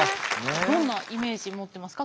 どんなイメージ持ってますか？